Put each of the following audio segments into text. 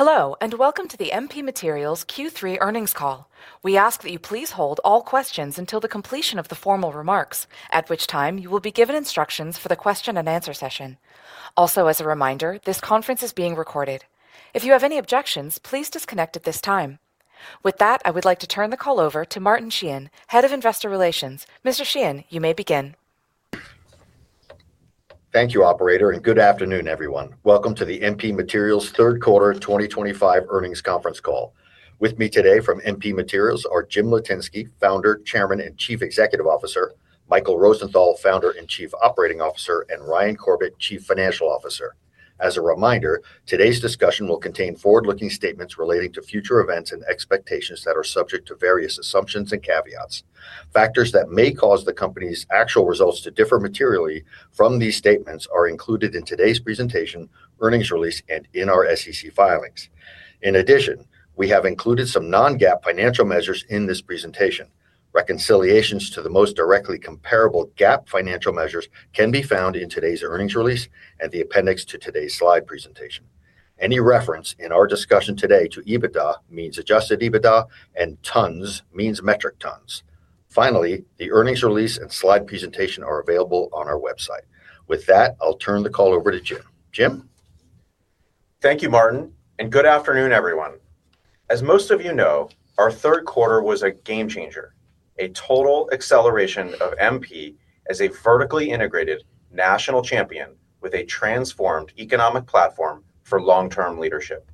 Hello, and welcome to the MP Materials Q3 earnings call. We ask that you please hold all questions until the completion of the formal remarks, at which time you will be given instructions for the question-and-answer session. Also, as a reminder, this conference is being recorded. If you have any objections, please disconnect at this time. With that, I would like to turn the call over to Martin Sheehan, Head of Investor Relations. Mr. Sheehan, you may begin. Thank you, Operator, and good afternoon, everyone. Welcome to the MP Materials Third Quarter 2025 earnings conference call. With me today from MP Materials are Jim Litinsky, Founder, Chairman and Chief Executive Officer; Michael Rosenthal, Founder and Chief Operating Officer; and Ryan Corbett, Chief Financial Officer. As a reminder, today's discussion will contain forward-looking statements relating to future events and expectations that are subject to various assumptions and caveats. Factors that may cause the company's actual results to differ materially from these statements are included in today's presentation, earnings release, and in our SEC filings. In addition, we have included some non-GAAP financial measures in this presentation. Reconciliations to the most directly comparable GAAP financial measures can be found in today's earnings release and the appendix to today's slide presentation. Any reference in our discussion today to EBITDA means adjusted EBITDA, and tons means metric tons. Finally, the earnings release and slide presentation are available on our website. With that, I'll turn the call over to Jim. Jim? Thank you, Martin, and good afternoon, everyone. As most of you know, our third quarter was a game-changer, a total acceleration of MP as a vertically integrated national champion with a transformed economic platform for long-term leadership.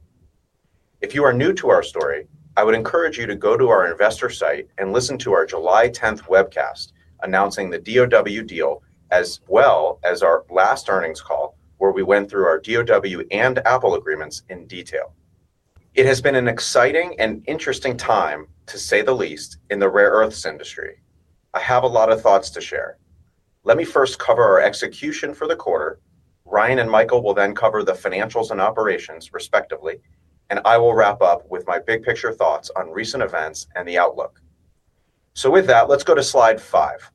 If you are new to our story, I would encourage you to go to our investor site and listen to our July 10th webcast announcing the DoW deal, as well as our last earnings call, where we went through our DoW and Apple agreements in detail. It has been an exciting and interesting time, to say the least, in the rare earths industry. I have a lot of thoughts to share. Let me first cover our execution for the quarter. Ryan and Michael will then cover the financials and operations, respectively, and I will wrap up with my big-picture thoughts on recent events and the outlook. With that, let's go to slide five.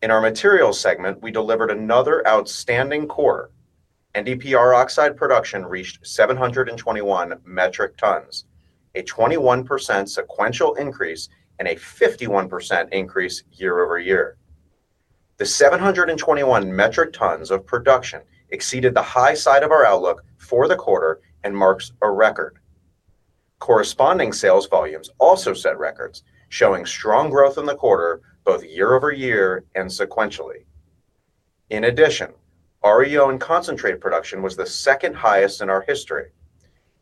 In our materials segment, we delivered another outstanding quarter. NdPr oxide production reached 721 metric tons, a 21% sequential increase and a 51% increase year over year. The 721 metric tons of production exceeded the high side of our outlook for the quarter and marks a record. Corresponding sales volumes also set records, showing strong growth in the quarter both year over year and sequentially. In addition, REO and concentrate production was the second highest in our history.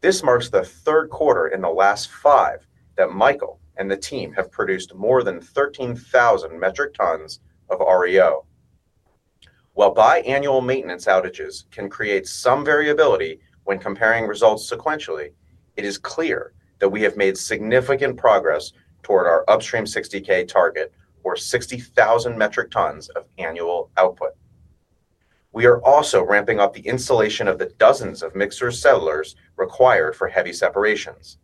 This marks the third quarter in the last five that Michael and the team have produced more than 13,000 metric tons of REO. While biannual maintenance outages can create some variability when comparing results sequentially, it is clear that we have made significant progress toward our upstream 60,000 target, or 60,000 metric tons of annual output. We are also ramping up the installation of the dozens of mixers/cellulars required for heavy separations.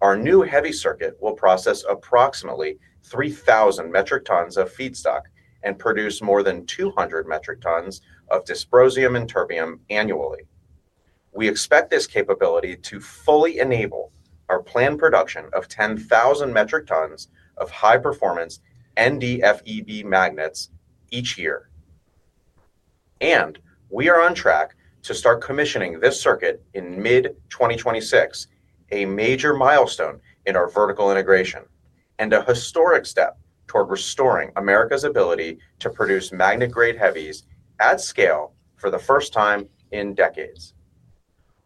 Our new heavy circuit will process approximately 3,000 metric tons of feedstock and produce more than 200 metric tons of dysprosium and terbium annually. We expect this capability to fully enable our planned production of 10,000 metric tons of high-performance NdFeB magnets each year. We are on track to start commissioning this circuit in mid-2026, a major milestone in our vertical integration and a historic step toward restoring America's ability to produce magnet-grade heavies at scale for the first time in decades.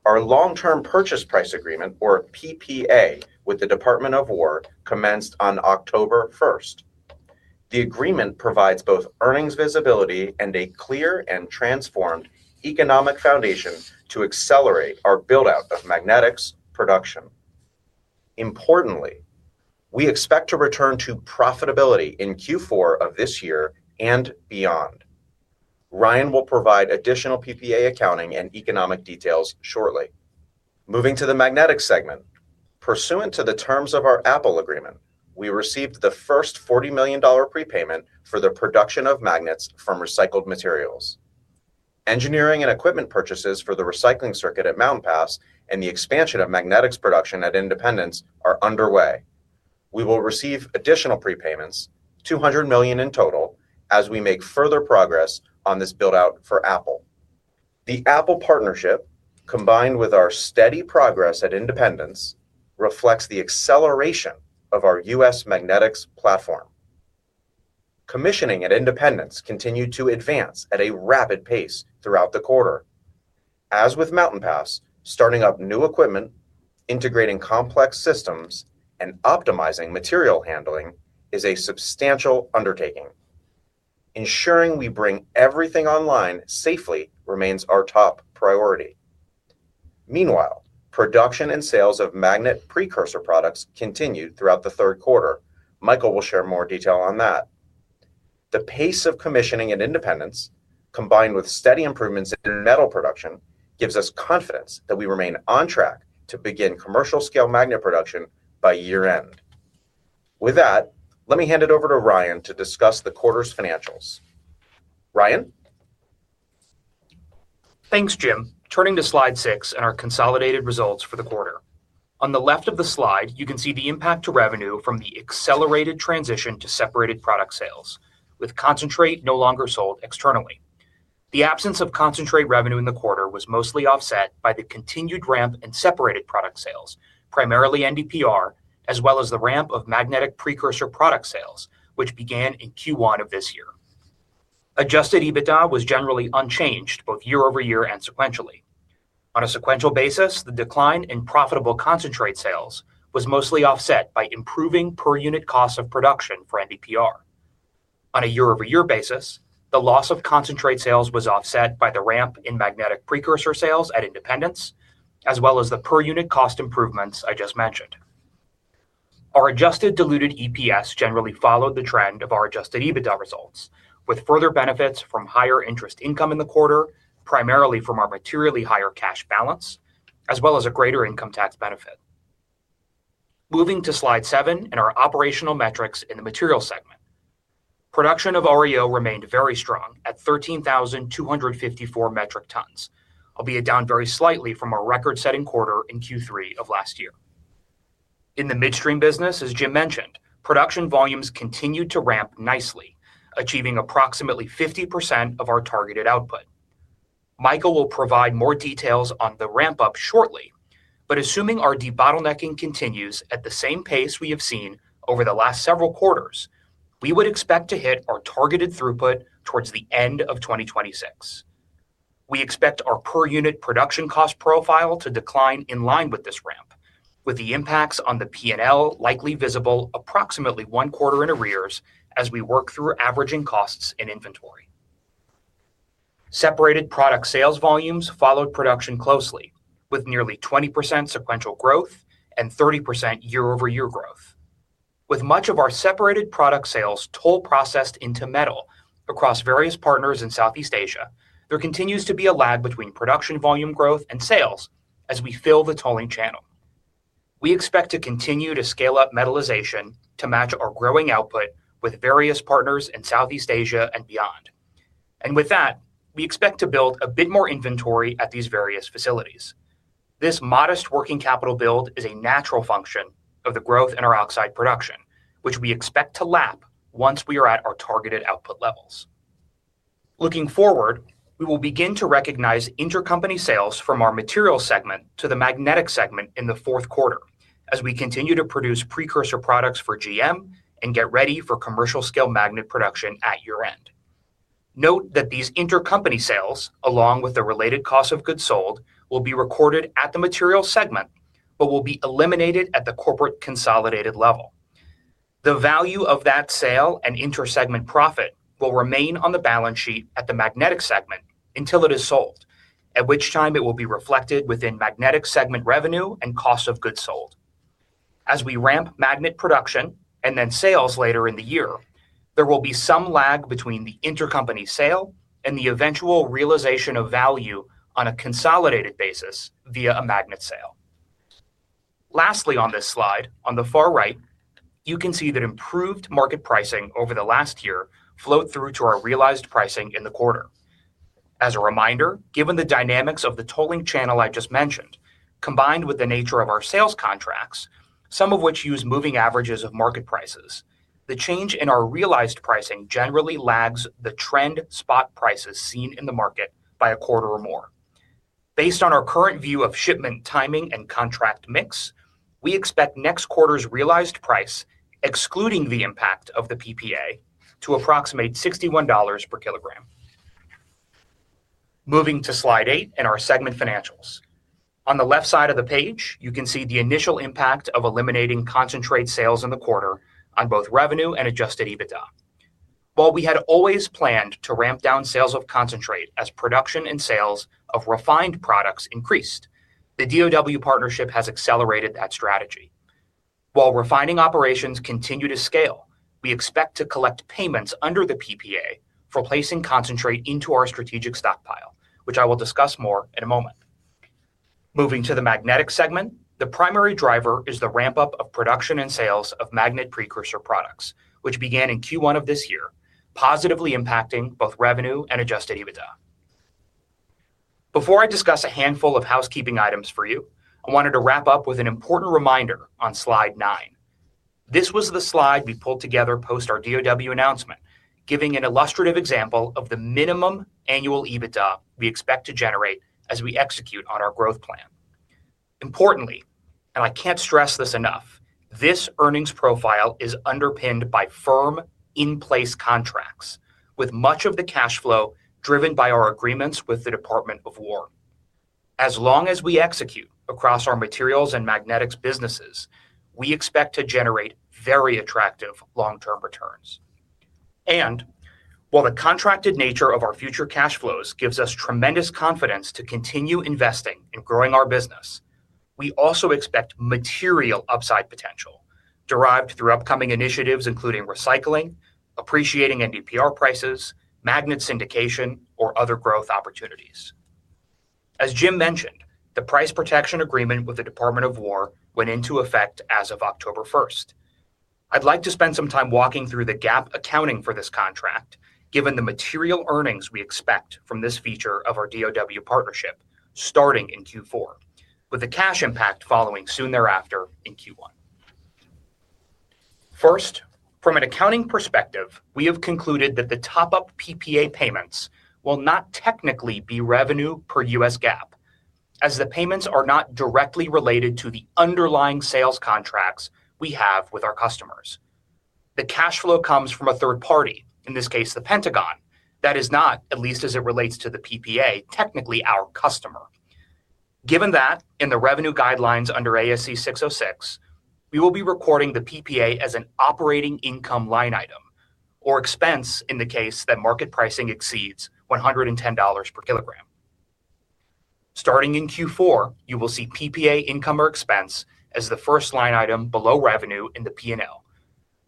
Our long-term purchase price agreement, or PPA, with the Department of War commenced on October 1st. The agreement provides both earnings visibility and a clear and transformed economic foundation to accelerate our build-out of magnetics production. Importantly, we expect to return to profitability in Q4 of this year and beyond. Ryan will provide additional PPA accounting and economic details shortly. Moving to the magnetics segment, pursuant to the terms of our Apple agreement, we received the first $40 million prepayment for the production of magnets from recycled materials. Engineering and equipment purchases for the recycling circuit at Mountain Pass and the expansion of magnetics production at Independence are underway. We will receive additional prepayments, $200 million in total, as we make further progress on this build-out for Apple. The Apple partnership, combined with our steady progress at Independence, reflects the acceleration of our U.S. magnetics platform. Commissioning at Independence continued to advance at a rapid pace throughout the quarter. As with Mountain Pass, starting up new equipment, integrating complex systems, and optimizing material handling is a substantial undertaking. Ensuring we bring everything online safely remains our top priority. Meanwhile, production and sales of magnet precursor products continued throughout the third quarter. Michael will share more detail on that. The pace of commissioning at Independence, combined with steady improvements in metal production, gives us confidence that we remain on track to begin commercial-scale magnet production by year-end. With that, let me hand it over to Ryan to discuss the quarter's financials. Ryan? Thanks, Jim. Turning to slide six and our consolidated results for the quarter. On the left of the slide, you can see the impact to revenue from the accelerated transition to separated product sales, with concentrate no longer sold externally. The absence of concentrate revenue in the quarter was mostly offset by the continued ramp in separated product sales, primarily NdPr, as well as the ramp of magnetic precursor product sales, which began in Q1 of this year. Adjusted EBITDA was generally unchanged both year over year and sequentially. On a sequential basis, the decline in profitable concentrate sales was mostly offset by improving per-unit cost of production for NdPr. On a year-over-year basis, the loss of concentrate sales was offset by the ramp in magnetic precursor sales at Independence, as well as the per-unit cost improvements I just mentioned. Our adjusted diluted EPS generally followed the trend of our adjusted EBITDA results, with further benefits from higher interest income in the quarter, primarily from our materially higher cash balance, as well as a greater income tax benefit. Moving to slide seven and our operational metrics in the materials segment. Production of REO remained very strong at 13,254 metric tons, albeit down very slightly from our record-setting quarter in Q3 of last year. In the midstream business, as Jim mentioned, production volumes continued to ramp nicely, achieving approximately 50% of our targeted output. Michael will provide more details on the ramp-up shortly, but assuming our debottlenecking continues at the same pace we have seen over the last several quarters, we would expect to hit our targeted throughput towards the end of 2026. We expect our per-unit production cost profile to decline in line with this ramp, with the impacts on the P&L likely visible approximately one quarter in arrears as we work through averaging costs and inventory. Separated product sales volumes followed production closely, with nearly 20% sequential growth and 30% year-over-year growth. With much of our separated product sales toll-processed into metal across various partners in Southeast Asia, there continues to be a lag between production volume growth and sales as we fill the tolling channel. We expect to continue to scale up metalization to match our growing output with various partners in Southeast Asia and beyond. With that, we expect to build a bit more inventory at these various facilities. This modest working capital build is a natural function of the growth in our oxide production, which we expect to lap once we are at our targeted output levels. Looking forward, we will begin to recognize intercompany sales from our materials segment to the magnetics segment in the fourth quarter as we continue to produce precursor products for GM and get ready for commercial-scale magnet production at year-end. Note that these intercompany sales, along with the related cost of goods sold, will be recorded at the materials segment but will be eliminated at the corporate consolidated level. The value of that sale and inter-segment profit will remain on the balance sheet at the magnetics segment until it is sold, at which time it will be reflected within magnetics segment revenue and cost of goods sold. As we ramp magnet production and then sales later in the year, there will be some lag between the intercompany sale and the eventual realization of value on a consolidated basis via a magnet sale. Lastly, on this slide, on the far right, you can see that improved market pricing over the last year flowed through to our realized pricing in the quarter. As a reminder, given the dynamics of the tolling channel I just mentioned, combined with the nature of our sales contracts, some of which use moving averages of market prices, the change in our realized pricing generally lags the trend spot prices seen in the market by a quarter or more. Based on our current view of shipment timing and contract mix, we expect next quarter's realized price, excluding the impact of the PPA, to approximate $61 per kilogram. Moving to slide eight and our segment financials. On the left side of the page, you can see the initial impact of eliminating concentrate sales in the quarter on both revenue and adjusted EBITDA. While we had always planned to ramp down sales of concentrate as production and sales of refined products increased, the DoW partnership has accelerated that strategy. While refining operations continue to scale, we expect to collect payments under the PPA for placing concentrate into our strategic stockpile, which I will discuss more in a moment. Moving to the magnetics segment, the primary driver is the ramp-up of production and sales of magnet precursor products, which began in Q1 of this year, positively impacting both revenue and adjusted EBITDA. Before I discuss a handful of housekeeping items for you, I wanted to wrap up with an important reminder on slide nine. This was the slide we pulled together post our DoW announcement, giving an illustrative example of the minimum annual EBITDA we expect to generate as we execute on our growth plan. Importantly, and I can't stress this enough, this earnings profile is underpinned by firm, in-place contracts, with much of the cash flow driven by our agreements with the Department of War. As long as we execute across our materials and magnetics businesses, we expect to generate very attractive long-term returns. While the contracted nature of our future cash flows gives us tremendous confidence to continue investing and growing our business, we also expect material upside potential derived through upcoming initiatives, including recycling, appreciating NdPr prices, magnet syndication, or other growth opportunities. As Jim mentioned, the price protection agreement with the Department of War went into effect as of October 1st. I'd like to spend some time walking through the GAAP accounting for this contract, given the material earnings we expect from this feature of our DoW partnership starting in Q4, with the cash impact following soon thereafter in Q1. First, from an accounting perspective, we have concluded that the top-up PPA payments will not technically be revenue per U.S. GAAP, as the payments are not directly related to the underlying sales contracts we have with our customers. The cash flow comes from a third party, in this case, the Pentagon, that is not, at least as it relates to the PPA, technically our customer. Given that, in the revenue guidelines under ASC 606, we will be recording the PPA as an operating income line item or expense in the case that market pricing exceeds $110 per kilogram. Starting in Q4, you will see PPA income or expense as the first line item below revenue in the P&L,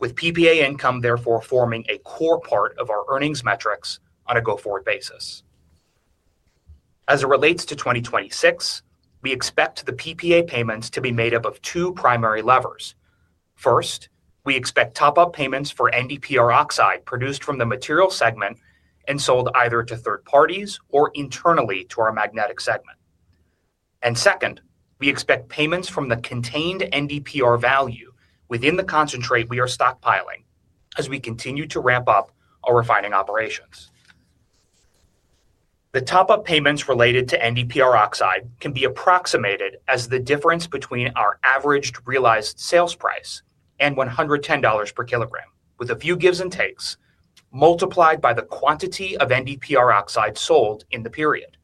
with PPA income therefore forming a core part of our earnings metrics on a go-forward basis. As it relates to 2026, we expect the PPA payments to be made up of two primary levers. First, we expect top-up payments for NdPr oxide produced from the materials segment and sold either to third parties or internally to our magnetics segment. Second, we expect payments from the contained NdPr value within the concentrate we are stockpiling as we continue to ramp up our refining operations. The top-up payments related to NdPr oxide can be approximated as the difference between our averaged realized sales price and $110 per kilogram, with a few gives and takes, multiplied by the quantity of NdPr oxide sold in the period.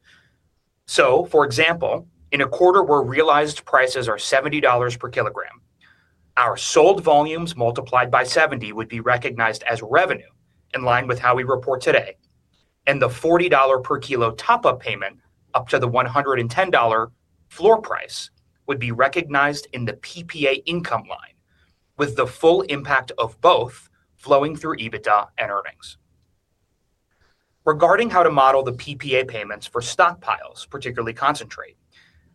For example, in a quarter where realized prices are $70 per kilogram, our sold volumes multiplied by 70 would be recognized as revenue in line with how we report today, and the $40 per kilo top-up payment up to the $110 floor price would be recognized in the PPA income line, with the full impact of both flowing through EBITDA and earnings. Regarding how to model the PPA payments for stockpiles, particularly concentrate,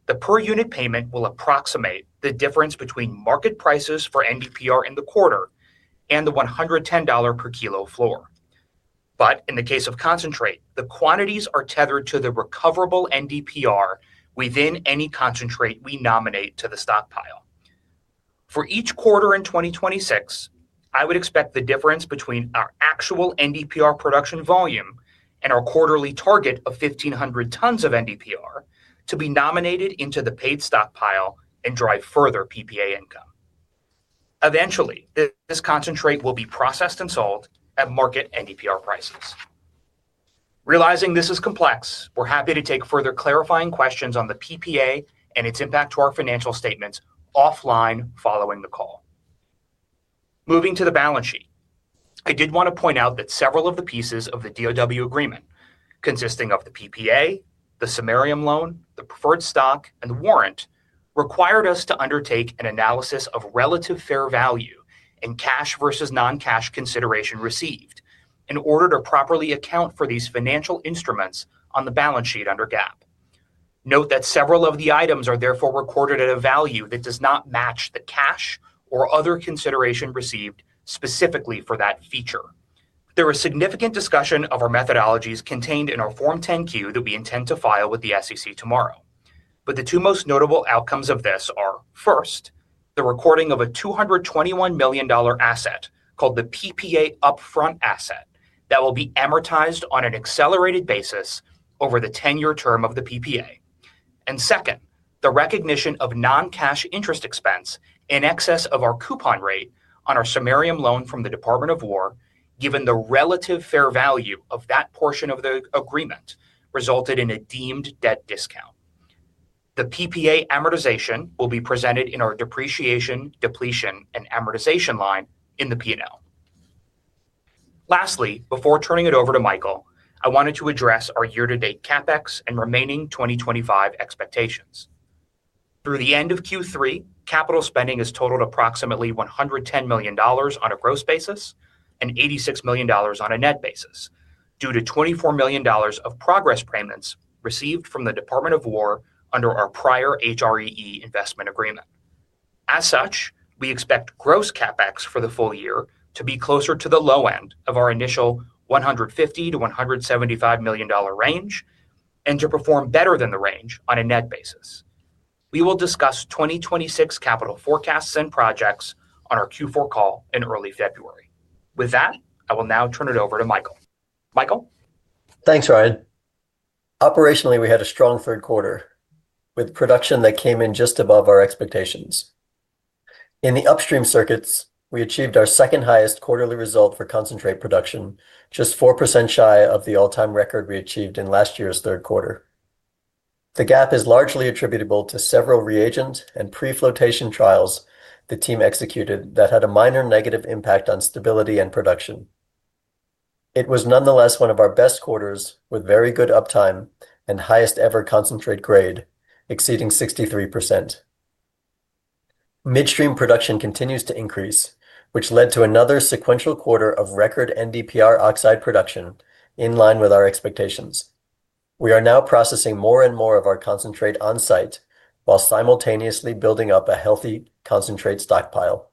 the per-unit payment will approximate the difference between market prices for NdPr in the quarter and the $110 per kilo floor. In the case of concentrate, the quantities are tethered to the recoverable NdPr within any concentrate we nominate to the stockpile. For each quarter in 2026, I would expect the difference between our actual NdPr production volume and our quarterly target of 1,500 tons of NdPr to be nominated into the paid stockpile and drive further PPA income. Eventually, this concentrate will be processed and sold at market NdPr prices. Realizing this is complex, we're happy to take further clarifying questions on the PPA and its impact to our financial statements offline following the call. Moving to the balance sheet, I did want to point out that several of the pieces of the DoW agreement, consisting of the PPA, the samarium loam, the preferred stock, and the warrant, required us to undertake an analysis of relative fair value and cash versus non-cash consideration received in order to properly account for these financial instruments on the balance sheet under GAAP. Note that several of the items are therefore recorded at a value that does not match the cash or other consideration received specifically for that feature. There is significant discussion of our methodologies contained in our Form 10Q that we intend to file with the SEC tomorrow. The two most notable outcomes of this are, first, the recording of a $221 million asset called the PPA upfront asset that will be amortized on an accelerated basis over the 10-year term of the PPA. Second, the recognition of non-cash interest expense in excess of our coupon rate on our samarium loan from the Department of War, given the relative fair value of that portion of the agreement resulted in a deemed debt discount. The PPA amortization will be presented in our depreciation, depletion, and amortization line in the P&L. Lastly, before turning it over to Michael, I wanted to address our year-to-date CapEx and remaining 2025 expectations. Through the end of Q3, capital spending has totaled approximately $110 million on a gross basis and $86 million on a net basis, due to $24 million of progress payments received from the Department of War under our prior HREE investment agreement. As such, we expect gross CapEx for the full year to be closer to the low end of our initial $150 million-$175 million range and to perform better than the range on a net basis. We will discuss 2026 capital forecasts and projects on our Q4 call in early February. With that, I will now turn it over to Michael. Michael. Thanks, Ryan. Operationally, we had a strong third quarter with production that came in just above our expectations. In the upstream circuits, we achieved our second-highest quarterly result for concentrate production, just 4% shy of the all-time record we achieved in last year's third quarter. The gap is largely attributable to several reagent and pre-floatation trials the team executed that had a minor negative impact on stability and production. It was nonetheless one of our best quarters with very good uptime and highest-ever concentrate grade, exceeding 63%. Midstream production continues to increase, which led to another sequential quarter of record NdPr oxide production in line with our expectations. We are now processing more and more of our concentrate on-site while simultaneously building up a healthy concentrate stockpile.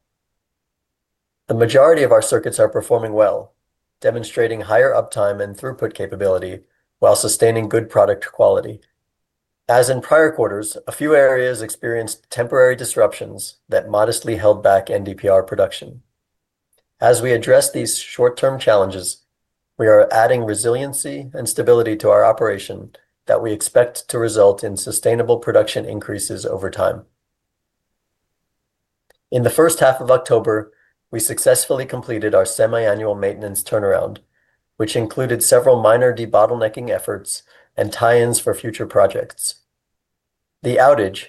The majority of our circuits are performing well, demonstrating higher uptime and throughput capability while sustaining good product quality. As in prior quarters, a few areas experienced temporary disruptions that modestly held back NdPr production. As we address these short-term challenges, we are adding resiliency and stability to our operation that we expect to result in sustainable production increases over time. In the first half of October, we successfully completed our semiannual maintenance turnaround, which included several minor debottlenecking efforts and tie-ins for future projects. The outage,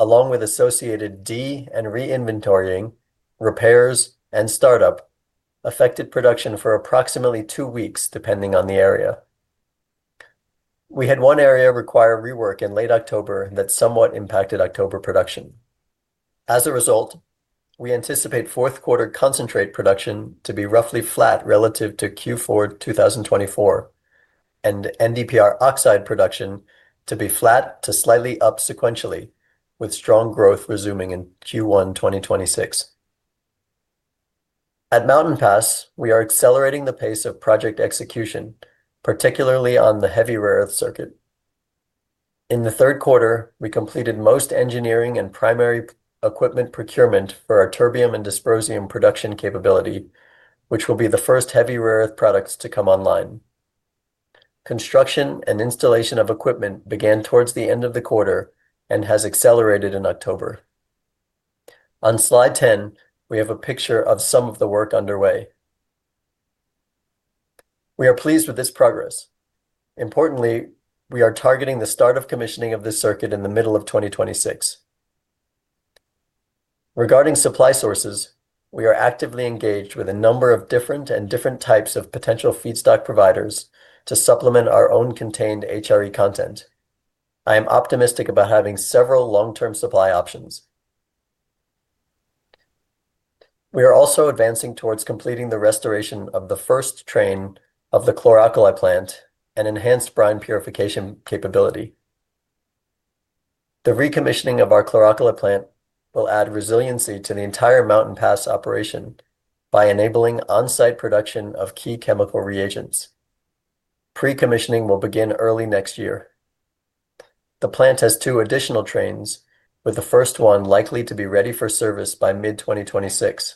along with associated de- and reinventorying, repairs, and startup, affected production for approximately two weeks, depending on the area. We had one area require rework in late October that somewhat impacted October production. As a result, we anticipate fourth-quarter concentrate production to be roughly flat relative to Q4 2024. NdPr oxide production is expected to be flat to slightly up sequentially, with strong growth resuming in Q1 2026. At Mountain Pass, we are accelerating the pace of project execution, particularly on the heavy rare earth circuit. In the third quarter, we completed most engineering and primary equipment procurement for our terbium and dysprosium production capability, which will be the first heavy rare earth products to come online. Construction and installation of equipment began towards the end of the quarter and has accelerated in October. On slide 10, we have a picture of some of the work underway. We are pleased with this progress. Importantly, we are targeting the start of commissioning of this circuit in the middle of 2026. Regarding supply sources, we are actively engaged with a number of different and different types of potential feedstock providers to supplement our own contained HRE content. I am optimistic about having several long-term supply options. We are also advancing towards completing the restoration of the first train of the chloralkali plant and enhanced brine purification capability. The recommissioning of our chloralkali plant will add resiliency to the entire Mountain Pass operation by enabling on-site production of key chemical reagents. Pre-commissioning will begin early next year. The plant has two additional trains, with the first one likely to be ready for service by mid-2026.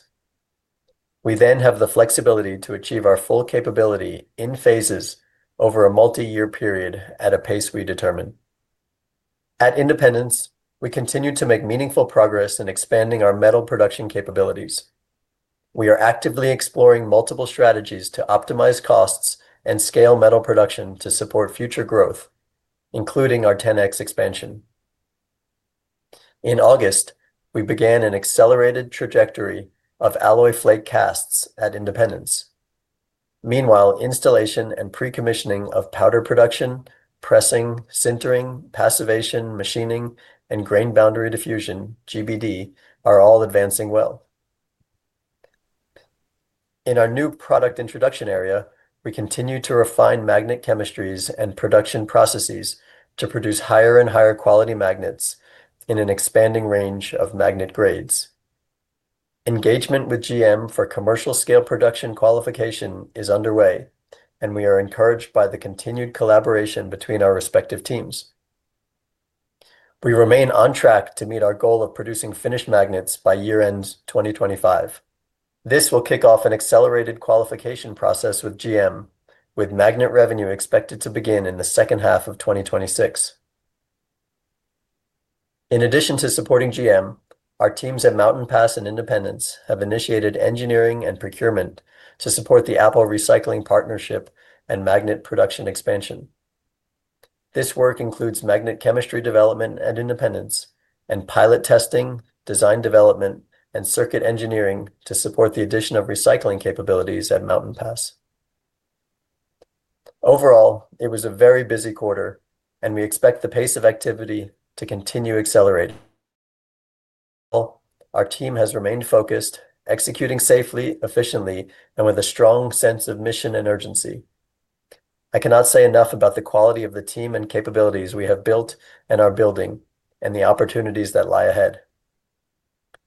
We then have the flexibility to achieve our full capability in phases over a multi-year period at a pace we determine. At Independence, we continue to make meaningful progress in expanding our metal production capabilities. We are actively exploring multiple strategies to optimize costs and scale metal production to support future growth, including our 10x expansion. In August, we began an accelerated trajectory of alloy flake casts at Independence. Meanwhile, installation and pre-commissioning of powder production, pressing, sintering, passivation, machining, and grain boundary diffusion, GBD, are all advancing well. In our new product introduction area, we continue to refine magnet chemistries and production processes to produce higher and higher quality magnets in an expanding range of magnet grades. Engagement with GM for commercial-scale production qualification is underway, and we are encouraged by the continued collaboration between our respective teams. We remain on track to meet our goal of producing finished magnets by year-end 2025. This will kick off an accelerated qualification process with GM, with magnet revenue expected to begin in the second half of 2026. In addition to supporting GM, our teams at Mountain Pass and Independence have initiated engineering and procurement to support the Apple Recycling Partnership and magnet production expansion. This work includes magnet chemistry development at Independence and pilot testing, design development, and circuit engineering to support the addition of recycling capabilities at Mountain Pass. Overall, it was a very busy quarter, and we expect the pace of activity to continue accelerating. Our team has remained focused, executing safely, efficiently, and with a strong sense of mission and urgency. I cannot say enough about the quality of the team and capabilities we have built and are building, and the opportunities that lie ahead.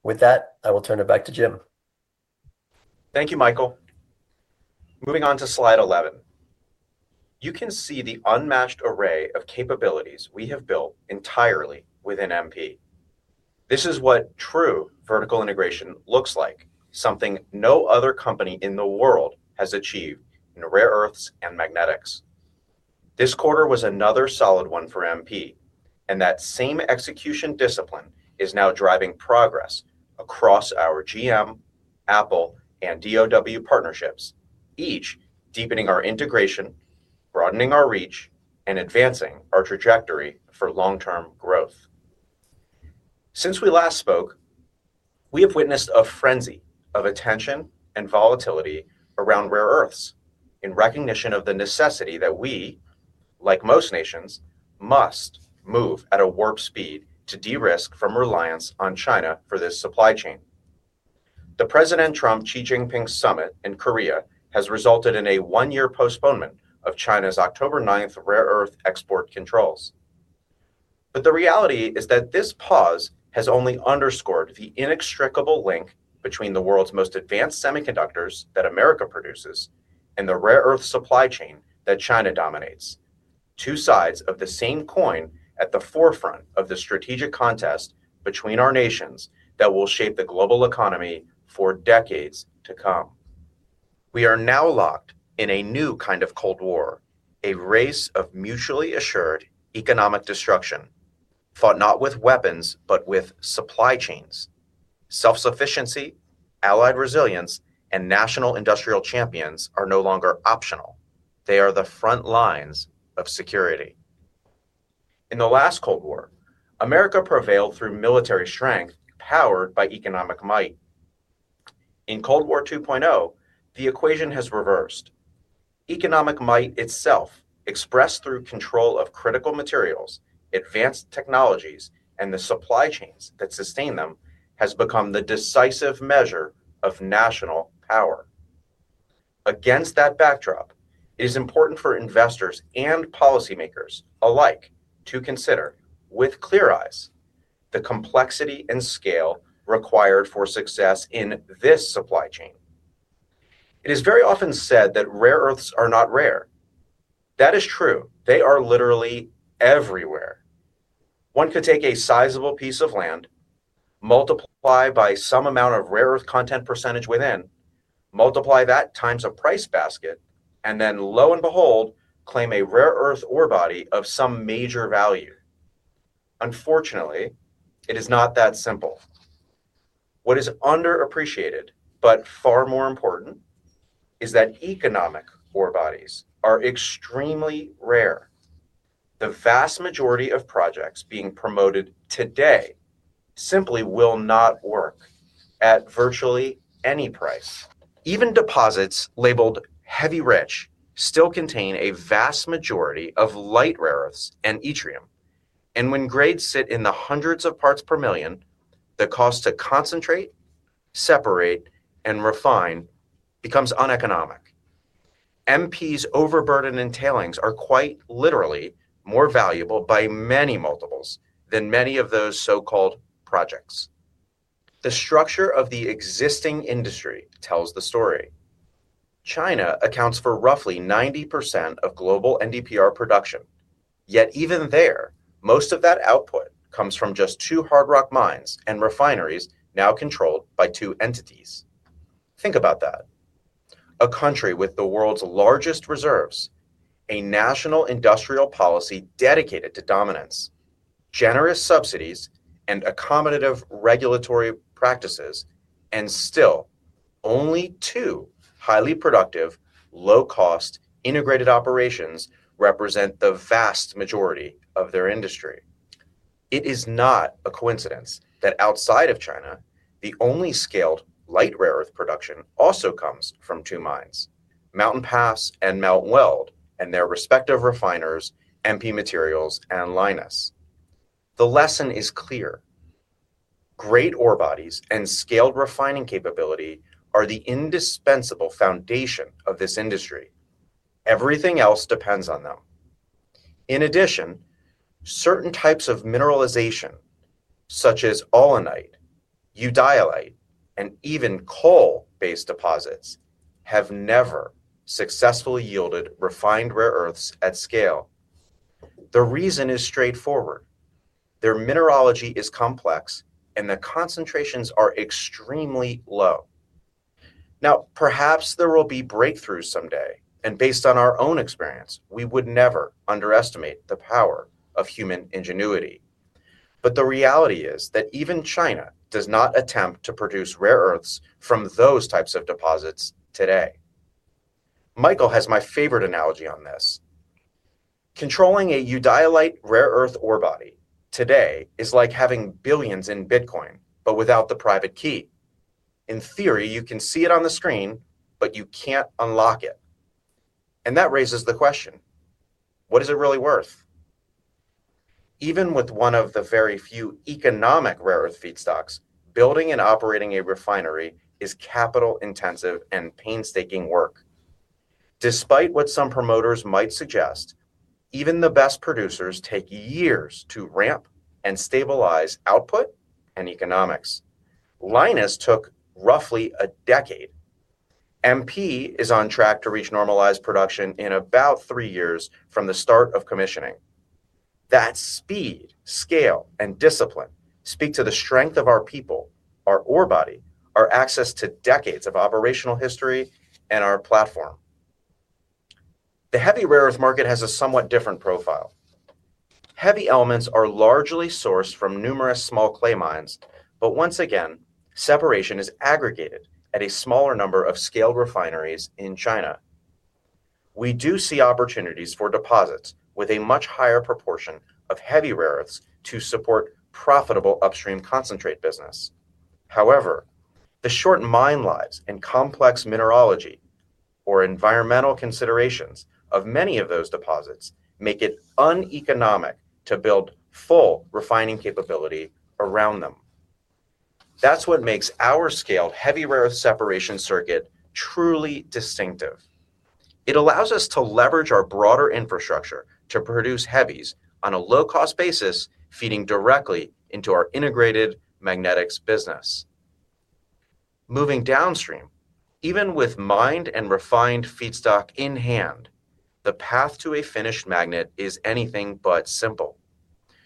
With that, I will turn it back to Jim. Thank you, Michael. Moving on to slide 11. You can see the unmatched array of capabilities we have built entirely within MP. This is what true vertical integration looks like, something no other company in the world has achieved in rare earths and magnetics. This quarter was another solid one for MP, and that same execution discipline is now driving progress across our GM, Apple, and DoW partnerships, each deepening our integration, broadening our reach, and advancing our trajectory for long-term growth. Since we last spoke, we have witnessed a frenzy of attention and volatility around rare earths in recognition of the necessity that we, like most nations, must move at a warp speed to de-risk from reliance on China for this supply chain. The President Trump-Xi Jinping summit in Korea has resulted in a one-year postponement of China's October 9th rare earth export controls. The reality is that this pause has only underscored the inextricable link between the world's most advanced semiconductors that America produces and the rare earth supply chain that China dominates, two sides of the same coin at the forefront of the strategic contest between our nations that will shape the global economy for decades to come. We are now locked in a new kind of Cold War, a race of mutually assured economic destruction, fought not with weapons but with supply chains. Self-sufficiency, allied resilience, and national industrial champions are no longer optional. They are the front lines of security. In the last Cold War, America prevailed through military strength powered by economic might. In Cold War 2.0, the equation has reversed. Economic might itself, expressed through control of critical materials, advanced technologies, and the supply chains that sustain them, has become the decisive measure of national power. Against that backdrop, it is important for investors and policymakers alike to consider, with clear eyes, the complexity and scale required for success in this supply chain. It is very often said that rare earths are not rare. That is true. They are literally everywhere. One could take a sizable piece of land, multiply by some amount of rare earth content percentage within, multiply that times a price basket, and then, lo and behold, claim a rare earth ore body of some major value. Unfortunately, it is not that simple. What is underappreciated, but far more important, is that economic ore bodies are extremely rare. The vast majority of projects being promoted today simply will not work at virtually any price. Even deposits labeled heavy rich still contain a vast majority of light rare earths and yttrium. When grades sit in the hundreds of parts per million, the cost to concentrate, separate, and refine becomes uneconomic. MP's overburden and tailings are quite literally more valuable by many multiples than many of those so-called projects. The structure of the existing industry tells the story. China accounts for roughly 90% of global NdPr production. Yet even there, most of that output comes from just two hard rock mines and refineries now controlled by two entities. Think about that. A country with the world's largest reserves, a national industrial policy dedicated to dominance, generous subsidies, and accommodative regulatory practices, and still. Only two highly productive, low-cost integrated operations represent the vast majority of their industry. It is not a coincidence that outside of China, the only scaled light rare earth production also comes from two mines, Mountain Pass and Mount Weld, and their respective refiners, MP Materials and Lynas. The lesson is clear. Great ore bodies and scaled refining capability are the indispensable foundation of this industry. Everything else depends on them. In addition, certain types of mineralization, such as allanite, eudialyte, and even coal-based deposits, have never successfully yielded refined rare earths at scale. The reason is straightforward. Their mineralogy is complex, and the concentrations are extremely low. Now, perhaps there will be breakthroughs someday, and based on our own experience, we would never underestimate the power of human ingenuity. The reality is that even China does not attempt to produce rare earths from those types of deposits today. Michael has my favorite analogy on this. Controlling a eudialyte rare earth ore body today is like having billions in Bitcoin but without the private key. In theory, you can see it on the screen, but you cannot unlock it. That raises the question, what is it really worth? Even with one of the very few economic rare earth feedstocks, building and operating a refinery is capital-intensive and painstaking work. Despite what some promoters might suggest, even the best producers take years to ramp and stabilize output and economics. Lynas took roughly a decade. MP is on track to reach normalized production in about three years from the start of commissioning. That speed, scale, and discipline speak to the strength of our people, our ore body, our access to decades of operational history, and our platform. The heavy rare earth market has a somewhat different profile. Heavy elements are largely sourced from numerous small clay mines, but once again, separation is aggregated at a smaller number of scaled refineries in China. We do see opportunities for deposits with a much higher proportion of heavy rare earths to support profitable upstream concentrate business. However, the short mine lives and complex minerology or environmental considerations of many of those deposits make it uneconomic to build full refining capability around them. That is what makes our scaled heavy rare earth separation circuit truly distinctive. It allows us to leverage our broader infrastructure to produce heavies on a low-cost basis, feeding directly into our integrated magnetics business. Moving downstream, even with mined and refined feedstock in hand, the path to a finished magnet is anything but simple.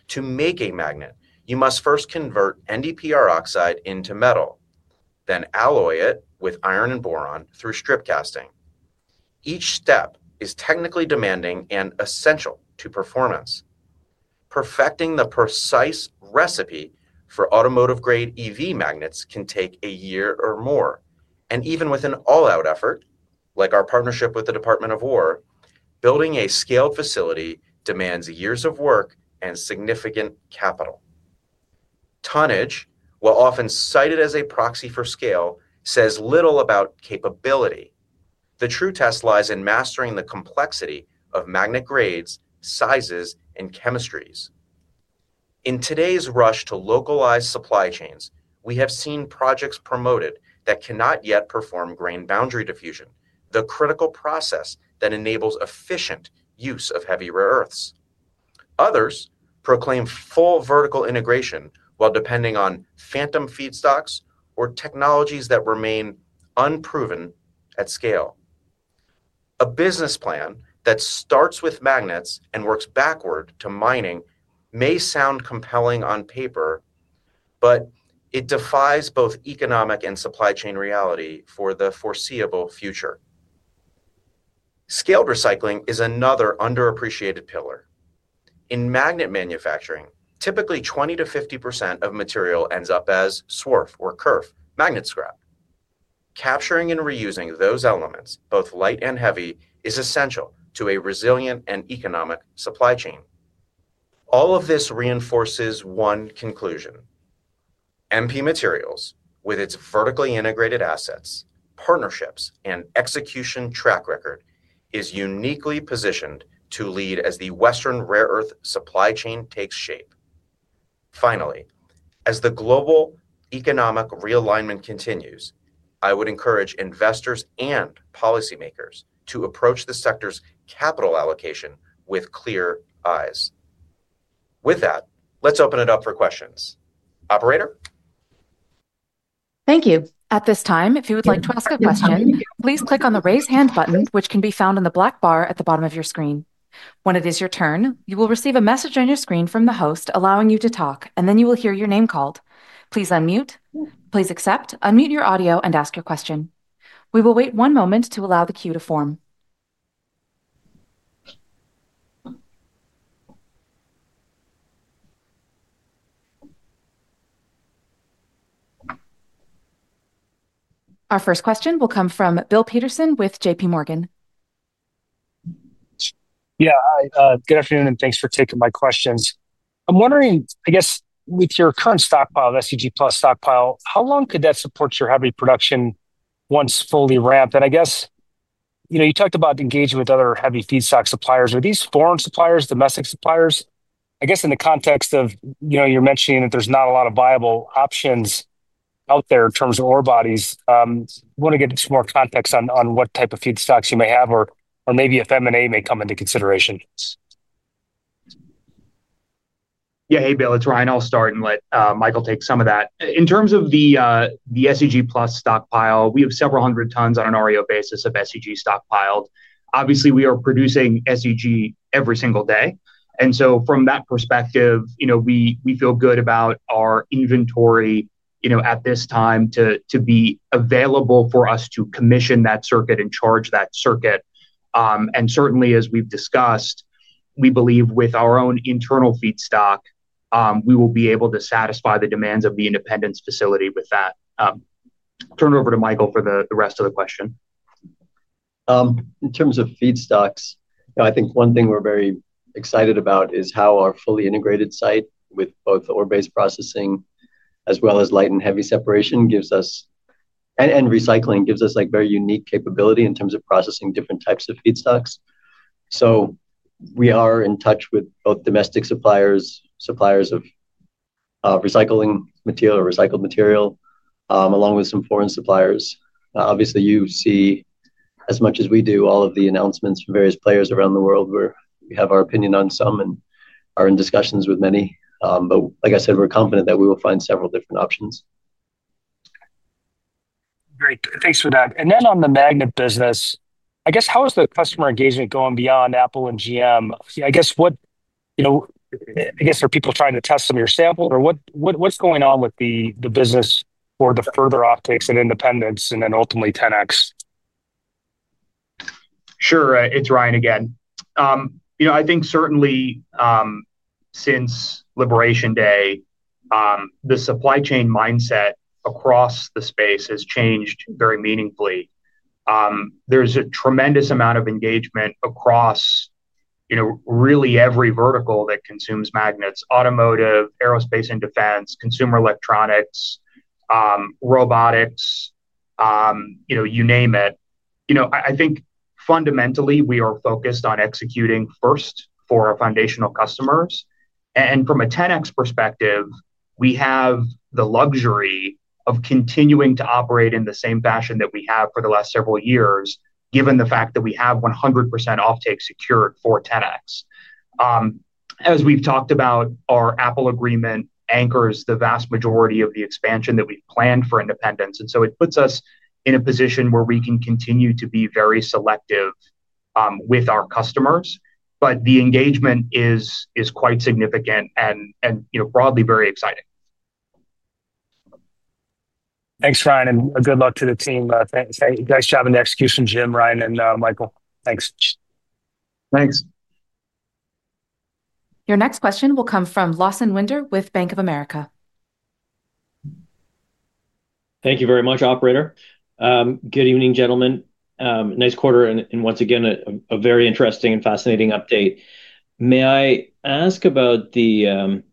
To make a magnet, you must first convert NdPr oxide into metal, then alloy it with iron and boron through strip casting. Each step is technically demanding and essential to performance. Perfecting the precise recipe for automotive-grade EV magnets can take a year or more. Even with an all-out effort, like our partnership with the Department of War, building a scaled facility demands years of work and significant capital. Tonnage, while often cited as a proxy for scale, says little about capability. The true test lies in mastering the complexity of magnet grades, sizes, and chemistries. In today's rush to localized supply chains, we have seen projects promoted that cannot yet perform grain boundary diffusion, the critical process that enables efficient use of heavy rare earths. Others proclaim full vertical integration while depending on phantom feedstocks or technologies that remain unproven at scale. A business plan that starts with magnets and works backward to mining may sound compelling on paper, but it defies both economic and supply chain reality for the foreseeable future. Scaled recycling is another underappreciated pillar. In magnet manufacturing, typically 20%-50% of material ends up as swerf or kerf magnet scrap. Capturing and reusing those elements, both light and heavy, is essential to a resilient and economic supply chain. All of this reinforces one conclusion. MP Materials, with its vertically integrated assets, partnerships, and execution track record, is uniquely positioned to lead as the Western rare earth supply chain takes shape. Finally, as the global economic realignment continues, I would encourage investors and policymakers to approach the sector's capital allocation with clear eyes. With that, let's open it up for questions. Operator? Thank you. At this time, if you would like to ask a question, please click on the raise hand button, which can be found on the black bar at the bottom of your screen. When it is your turn, you will receive a message on your screen from the host allowing you to talk, and then you will hear your name called. Please unmute. Please accept, unmute your audio, and ask your question. We will wait one moment to allow the queue to form. Our first question will come from Bill Peterson with JPMorgan. Yeah, hi. Good afternoon, and thanks for taking my questions. I'm wondering, I guess, with your current stockpile, SEG+ stockpile. How long could that support your heavy production once fully ramped? I guess you talked about engaging with other heavy feedstock suppliers. Are these foreign suppliers, domestic suppliers? I guess in the context of your mentioning that there's not a lot of viable options out there in terms of ore bodies, I want to get some more context on what type of feedstocks you may have, or maybe if M&A may come into consideration. Yeah, hey, Bill, it's Ryan. I'll start and let Michael take some of that. In terms of the SEG+ stockpile, we have several hundred tons on an REO basis of SEG stockpiled. Obviously, we are producing SEG every single day. From that perspective, we feel good about our inventory at this time to be available for us to commission that circuit and charge that circuit. Certainly, as we have discussed, we believe with our own internal feedstock, we will be able to satisfy the demands of the Independence facility with that. Turn it over to Michael for the rest of the question. In terms of feedstocks, I think one thing we are very excited about is how our fully integrated site with both ore-based processing as well as light and heavy separation and recycling gives us very unique capability in terms of processing different types of feedstocks. We are in touch with both domestic suppliers, suppliers of recycling material, recycled material, along with some foreign suppliers. Obviously, you see, as much as we do, all of the announcements from various players around the world where we have our opinion on some and are in discussions with many. Like I said, we are confident that we will find several different options. Great. Thanks for that. On the magnet business, I guess, how is the customer engagement going beyond Apple and GM? I guess. Are people trying to test some of your sample? Or what's going on with the business for the further optics and Independence and then ultimately 10x? Sure. It's Ryan again. I think certainly. Since Liberation Day, the supply chain mindset across the space has changed very meaningfully. There's a tremendous amount of engagement across really every vertical that consumes magnets: automotive, aerospace and defense, consumer electronics, robotics, you name it. I think fundamentally, we are focused on executing first for our foundational customers. And from a 10x perspective, we have the luxury of continuing to operate in the same fashion that we have for the last several years, given the fact that we have 100% offtake secured for 10x. As we've talked about, our Apple agreement anchors the vast majority of the expansion that we've planned for Independence. It puts us in a position where we can continue to be very selective with our customers. The engagement is quite significant and broadly very exciting. Thanks, Ryan. Good luck to the team. Thanks for having the execution, Jim, Ryan, and Michael. Thanks. Your next question will come from Lawson Winder with Bank of America. Thank you very much, Operator. Good evening, gentlemen. Nice quarter. Once again, a very interesting and fascinating update. May I ask about a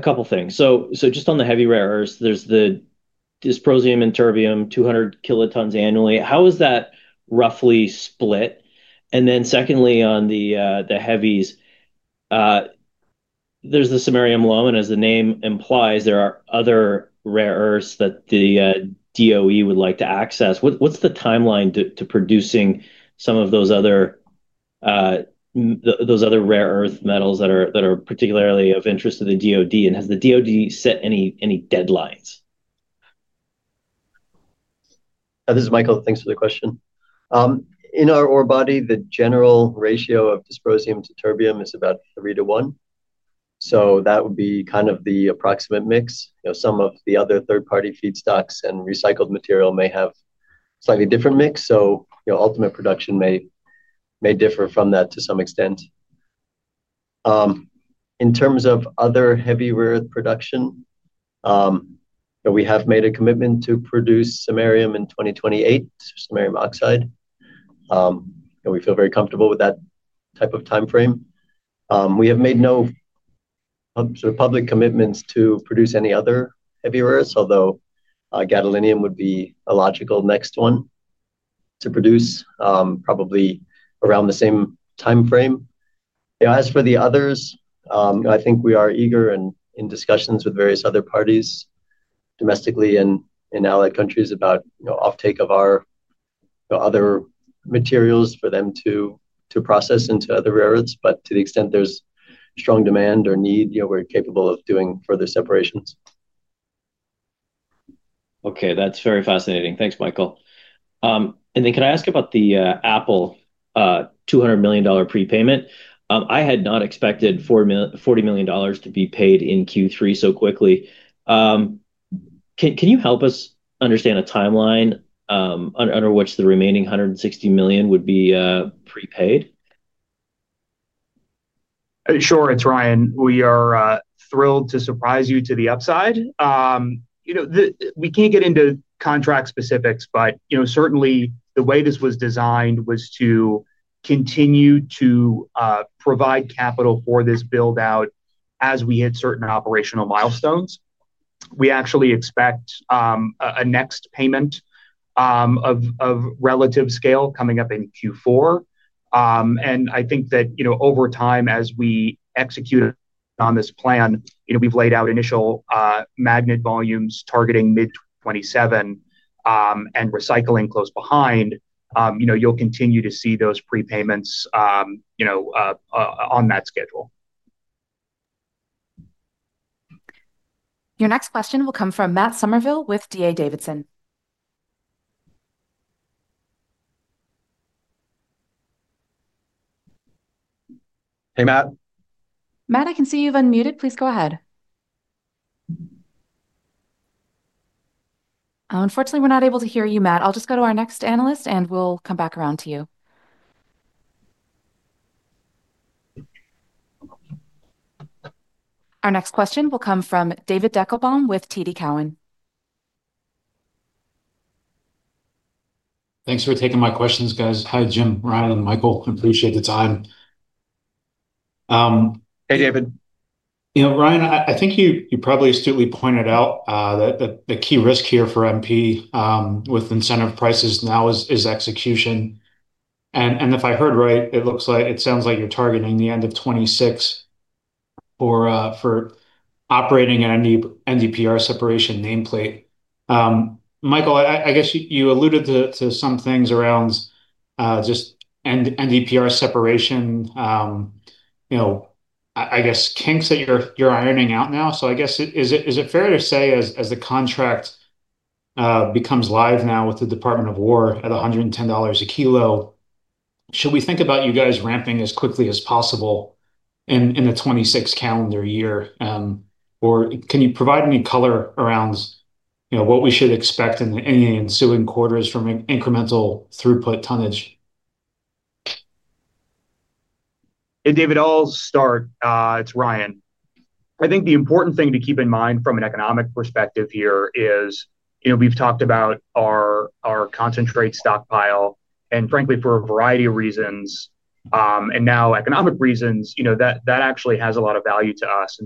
couple of things? Just on the heavy rare earths, there's the dysprosium and terbium, 200 kilotons annually. How is that roughly split? Secondly, on the heavies, there's the samarium loan. As the name implies, there are other rare earths that the DoE would like to access. What's the timeline to producing some of those other rare earth metals that are particularly of interest to the DoD? Has the DoD set any deadlines? This is Michael. Thanks for the question. In our ore body, the general ratio of dysprosium to terbium is about 3:1. That would be kind of the approximate mix. Some of the other third-party feedstocks and recycled material may have slightly different mix, so ultimate production may differ from that to some extent. In terms of other heavy rare earth production, we have made a commitment to produce samarium in 2028, samarium oxide. We feel very comfortable with that type of time frame. We have made no. Public commitments to produce any other heavy rare earths, although gadolinium would be a logical next one to produce probably around the same time frame. As for the others, I think we are eager and in discussions with various other parties domestically and in allied countries about offtake of our other materials for them to process into other rare earths. To the extent there is strong demand or need, we are capable of doing further separations. Okay. That is very fascinating. Thanks, Michael. Can I ask about the Apple $200 million prepayment? I had not expected $40 million to be paid in Q3 so quickly. Can you help us understand a timeline under which the remaining $160 million would be prepaid? Sure. It is Ryan. We are thrilled to surprise you to the upside. We cannot get into contract specifics, but certainly, the way this was designed was to continue to. Provide capital for this build-out as we hit certain operational milestones. We actually expect a next payment of relative scale coming up in Q4. I think that over time, as we execute on this plan, we've laid out initial magnet volumes targeting mid-2027, and recycling close behind. You'll continue to see those prepayments on that schedule. Your next question will come from Matt Summerville with D.A. Davidson. Hey, Matt. Matt, I can see you've unmuted. Please go ahead. Unfortunately, we're not able to hear you, Matt. I'll just go to our next analyst, and we'll come back around to you. Our next question will come from David Deckelbaum with TD Cowen. Thanks for taking my questions, guys. Hi, Jim, Ryan, and Michael. Appreciate the time. Hey, David. Ryan, I think you probably astutely pointed out that the key risk here for MP with incentive prices now is execution. If I heard right, it sounds like you're targeting the end of 2026 for operating an NdPr separation nameplate. Michael, I guess you alluded to some things around just NdPr separation, I guess, kinks that you're ironing out now. Is it fair to say as the contract becomes live now with the Department of War at $110 a kilo, should we think about you guys ramping as quickly as possible in the 2026 calendar year? Can you provide any color around what we should expect in the ensuing quarters from incremental throughput tonnage? Hey, David, I'll start. It's Ryan. I think the important thing to keep in mind from an economic perspective here is we've talked about our concentrate stockpile, and frankly, for a variety of reasons, and now economic reasons, that actually has a lot of value to us.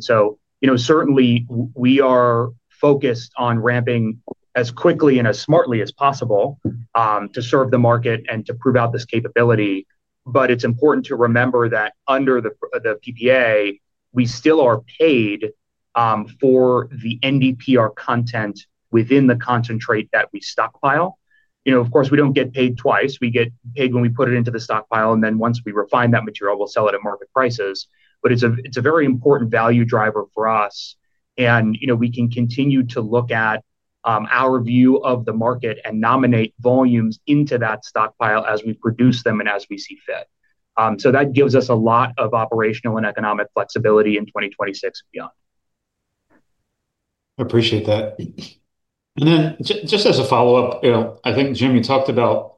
Certainly, we are focused on ramping as quickly and as smartly as possible to serve the market and to prove out this capability. It is important to remember that under the PPA, we still are paid for the NdPr content within the concentrate that we stockpile. Of course, we do not get paid twice. We get paid when we put it into the stockpile. Once we refine that material, we will sell it at market prices. It is a very important value driver for us. We can continue to look at our view of the market and nominate volumes into that stockpile as we produce them and as we see fit. That gives us a lot of operational and economic flexibility in 2026 and beyond. Appreciate that. Just as a follow-up, I think, Jim, you talked about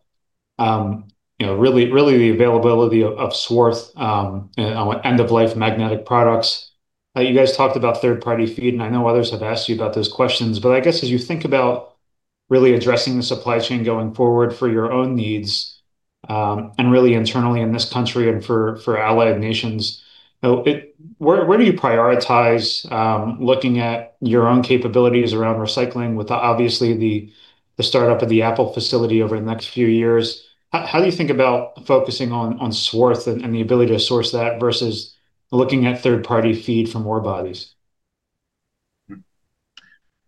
really the availability of swerf. End-of-life magnetic products. You guys talked about third-party feed, and I know others have asked you about those questions. I guess, as you think about really addressing the supply chain going forward for your own needs, and really internally in this country and for allied nations, where do you prioritize looking at your own capabilities around recycling with, obviously, the startup of the Apple facility over the next few years? How do you think about focusing on swerf and the ability to source that versus looking at third-party feed from ore bodies?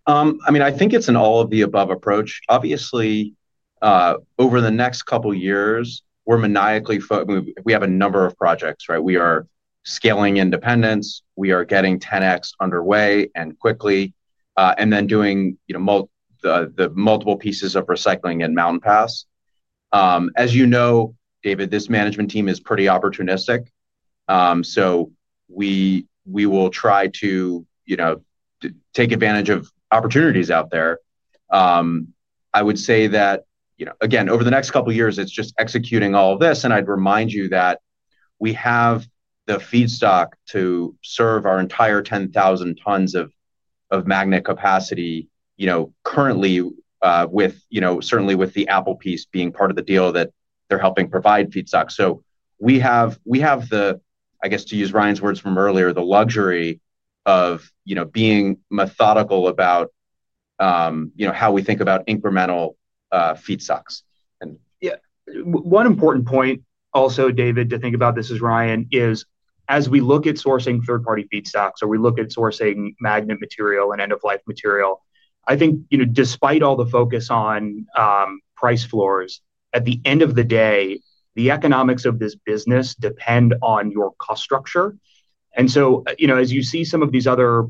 I mean, I think it's an all-of-the-above approach. Obviously, over the next couple of years, we're maniacally focused. We have a number of projects, right? We are scaling Independence. We are getting 10x underway and quickly, and then doing the multiple pieces of recycling in Mountain Pass. As you know, David, this management team is pretty opportunistic. We will try to take advantage of opportunities out there. I would say that, again, over the next couple of years, it's just executing all of this. I'd remind you that we have the feedstock to serve our entire 10,000 tons of magnet capacity. Currently, certainly with the Apple piece being part of the deal that they're helping provide feedstock. We have the, I guess, to use Ryan's words from earlier, the luxury of being methodical about how we think about incremental feedstocks. Yeah. One important point also, David, to think about this as Ryan is, as we look at sourcing third-party feedstocks or we look at sourcing magnet material and end-of-life material, I think despite all the focus on price floors, at the end of the day, the economics of this business depend on your cost structure. As you see some of these other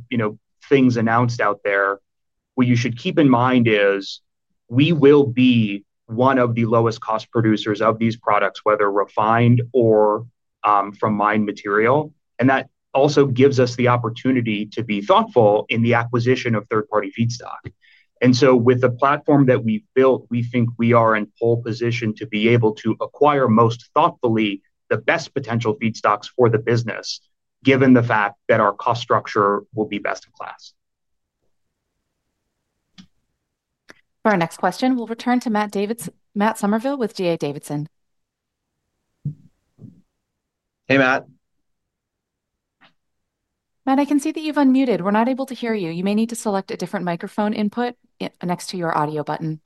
things announced out there, what you should keep in mind is we will be one of the lowest cost producers of these products, whether refined or from mined material. That also gives us the opportunity to be thoughtful in the acquisition of third-party feedstock. With the platform that we have built, we think we are in pole position to be able to acquire most thoughtfully the best potential feedstocks for the business, given the fact that our cost structure will be best in class. For our next question, we will return to Matt Summerville with D.A. Davidson. Hey, Matt. Matt, I can see that you have unmuted. We are not able to hear you. You may need to select a different microphone input next to your audio button.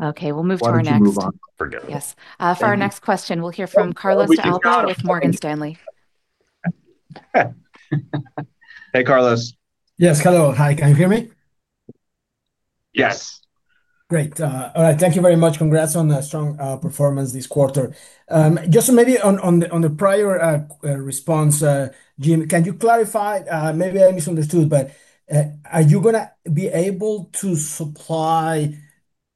Okay. We will move to our next question. Yes. For our next question, we'll hear from Carlos de Alba with Morgan Stanley. Hey, Carlos. Yes. Hello. Hi. Can you hear me? Yes. Great. All right. Thank you very much. Congrats on the strong performance this quarter. Just maybe on the prior response, Jim, can you clarify? Maybe I misunderstood, but are you going to be able to supply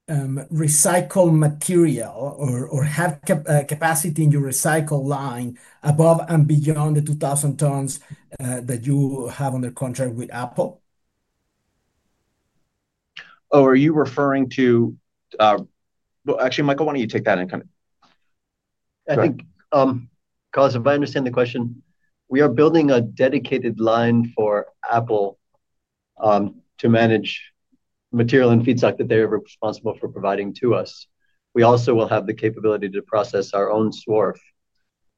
recycled material or have capacity in your recycle line above and beyond the 2,000 tons that you have under contract with Apple? Oh, are you referring to— Actually, Michael, why don't you take that and kind of— I think. Carlos, if I understand the question, we are building a dedicated line for Apple to manage material and feedstock that they are responsible for providing to us. We also will have the capability to process our own swerf.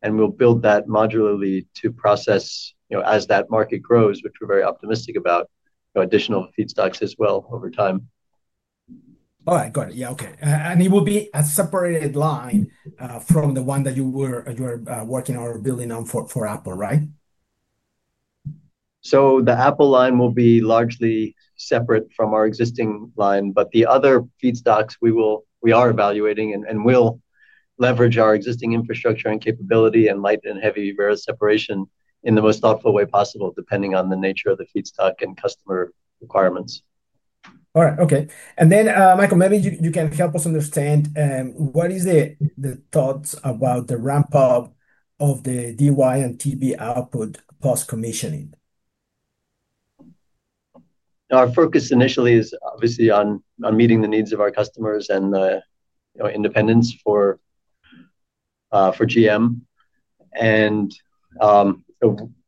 We'll build that modularly to process as that market grows, which we're very optimistic about additional feedstocks as well over time. All right. Got it. Yeah. Okay. It will be a separated line from the one that you were working or building on for Apple, right? The Apple line will be largely separate from our existing line. The other feedstocks we are evaluating and will leverage our existing infrastructure and capability in light and heavy rare separation in the most thoughtful way possible, depending on the nature of the feedstock and customer requirements. All right. Okay. Michael, maybe you can help us understand what are the thoughts about the ramp-up of the Dy and Tb output post-commissioning? Our focus initially is obviously on meeting the needs of our customers and Independence for GM.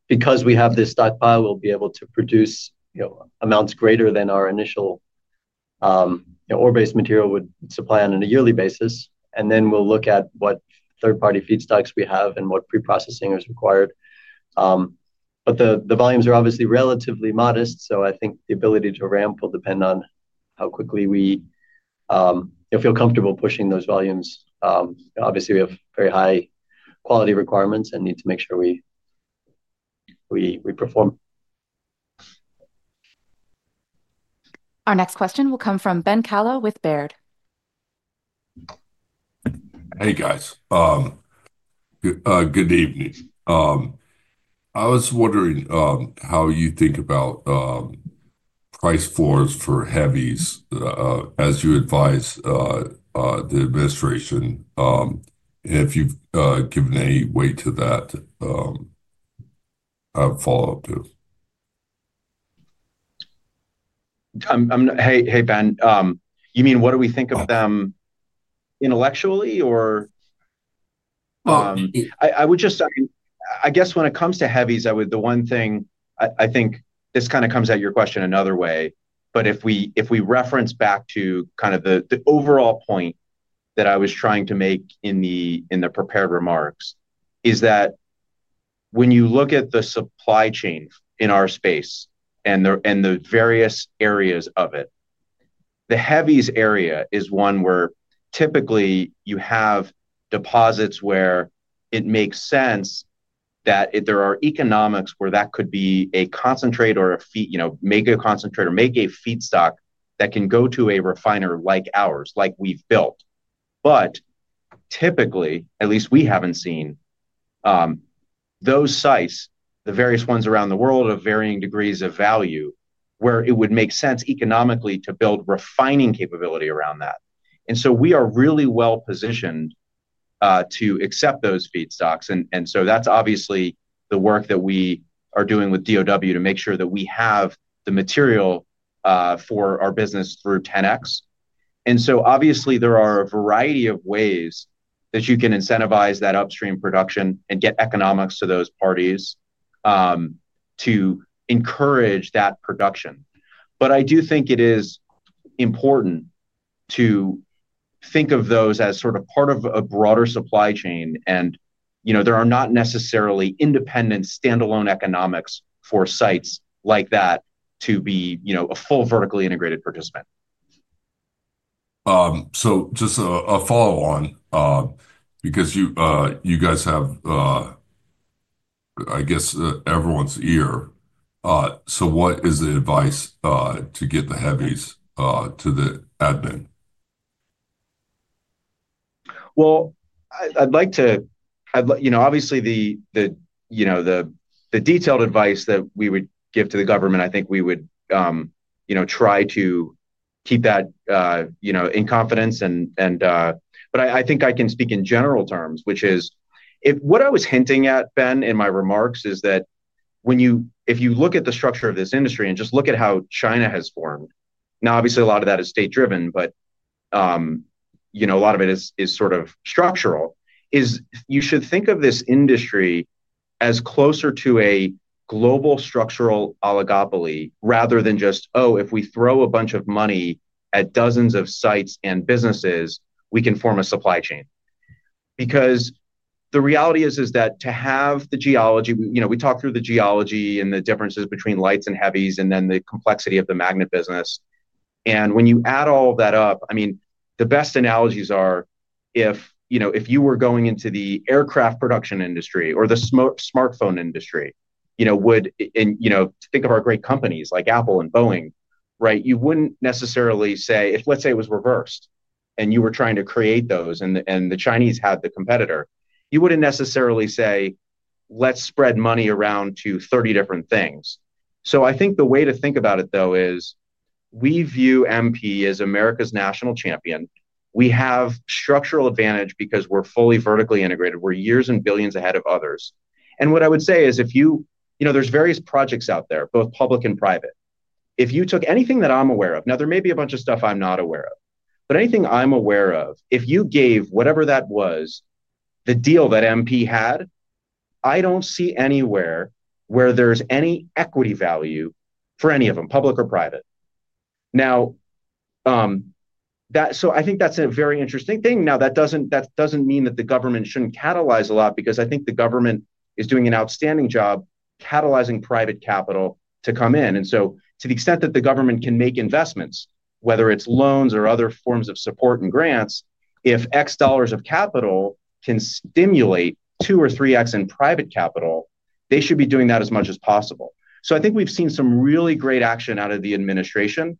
Because we have this stockpile, we'll be able to produce amounts greater than our initial ore-based material would supply on a yearly basis. Then we'll look at what third-party feedstocks we have and what preprocessing is required. The volumes are obviously relatively modest. I think the ability to ramp will depend on how quickly we feel comfortable pushing those volumes. Obviously, we have very high quality requirements and need to make sure we perform. Our next question will come from Ben Kallo with Baird. Hey, guys. Good evening. I was wondering how you think about price floors for heavies as you advise the administration, and if you've given any weight to that. Follow-up too. Hey, Ben, you mean what do we think of them intellectually or? I guess when it comes to heavies, the one thing I think this kind of comes at your question another way. If we reference back to kind of the overall point that I was trying to make in the prepared remarks, when you look at the supply chain in our space and the various areas of it, the heavies area is one where typically you have deposits where it makes sense that there are economics where that could be a concentrate or a mega concentrate or mega feedstock that can go to a refiner like ours, like we have built. Typically, at least we have not seen those sites, the various ones around the world of varying degrees of value, where it would make sense economically to build refining capability around that. We are really well-positioned to accept those feedstocks. That is obviously the work that we are doing with DoW to make sure that we have the material for our business through 10x. Obviously, there are a variety of ways that you can incentivize that upstream production and get economics to those parties to encourage that production. I do think it is important to think of those as sort of part of a broader supply chain, and there are not necessarily independent standalone economics for sites like that to be a full vertically integrated participant. Just a follow-on, because you guys have, I guess, everyone's ear. What is the advice to get the heavies to the admin? I'd like to, obviously, the detailed advice that we would give to the government, I think we would try to keep that in confidence.I think I can speak in general terms, which is what I was hinting at, Ben, in my remarks is that if you look at the structure of this industry and just look at how China has formed. Now, obviously, a lot of that is state-driven, but a lot of it is sort of structural. You should think of this industry as closer to a global structural oligopoly rather than just, "Oh, if we throw a bunch of money at dozens of sites and businesses, we can form a supply chain." Because the reality is that to have the geology—we talked through the geology and the differences between lights and heavies and then the complexity of the magnet business. And when you add all of that up, I mean, the best analogies are if you were going into the aircraft production industry or the smartphone industry. Think of our great companies like Apple and Boeing, right? You wouldn't necessarily say if, let's say, it was reversed and you were trying to create those and the Chinese had the competitor, you wouldn't necessarily say, "Let's spread money around to 30 different things." I think the way to think about it, though, is we view MP as America's national champion. We have structural advantage because we're fully vertically integrated. We're years and billions ahead of others. What I would say is if you—there's various projects out there, both public and private. If you took anything that I'm aware of—now, there may be a bunch of stuff I'm not aware of. But anything I'm aware of, if you gave whatever that was the deal that MP had, I don't see anywhere where there's any equity value for any of them, public or private. Now. I think that's a very interesting thing. Now, that doesn't mean that the government shouldn't catalyze a lot because I think the government is doing an outstanding job catalyzing private capital to come in. To the extent that the government can make investments, whether it's loans or other forms of support and grants, if X dollars of capital can stimulate 2x or 3x in private capital, they should be doing that as much as possible. I think we've seen some really great action out of the administration.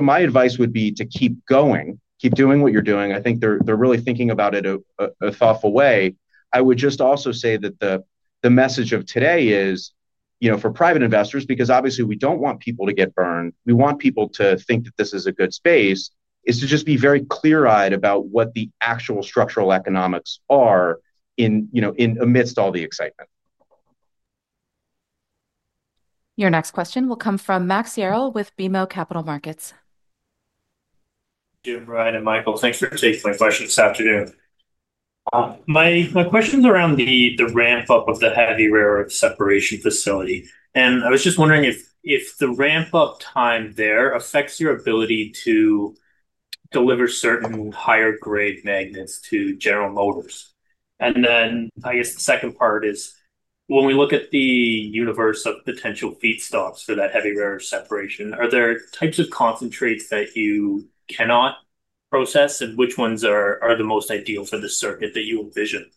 My advice would be to keep going, keep doing what you're doing. I think they're really thinking about it a thoughtful way. I would just also say that the message of today is. For private investors, because obviously, we do not want people to get burned, we want people to think that this is a good space, is to just be very clear-eyed about what the actual structural economics are in amidst all the excitement. Your next question will come from Max Yerrill with BMO Capital Markets. Jim, Ryan, and Michael, thanks for taking my question this afternoon. My question is around the ramp-up of the heavy rare earth separation facility. And I was just wondering if the ramp-up time there affects your ability to deliver certain higher-grade magnets to General Motors. I guess the second part is, when we look at the universe of potential feedstocks for that heavy rare earth separation, are there types of concentrates that you cannot process, and which ones are the most ideal for the circuit that you envision?